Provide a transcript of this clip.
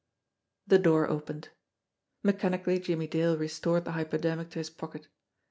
The door opened. Mechanically Jimmie Dale restored the hypodermic to his pocket.